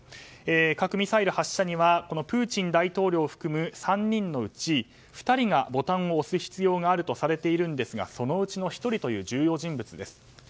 核ミサイル発射にはプーチン大統領を含む３人のうち２人がボタンを押す必要があるとされているんですがそのうちの１人という重要人物です。